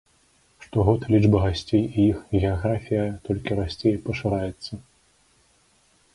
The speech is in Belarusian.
Штогод лічба гасцей і іх геаграфія толькі расце і пашыраецца.